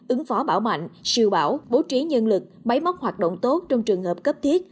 ứng phó bảo mạnh siêu bảo bố trí nhân lực bấy móc hoạt động tốt trong trường hợp cấp thiết